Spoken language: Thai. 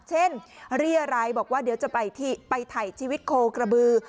เช่นเรียร้ายบอกว่าเดี๋ยวจะไปที่ไปถ่ายชีวิตโคลกระบือ